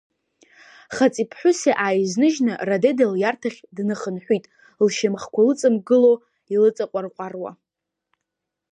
Хаҵеи ԥҳәыси ааизныжьны, Радеда лиарҭахь днахынҳәит, лшьамхқәа лыҵамгыло илыҵаҟәарҟәаруа.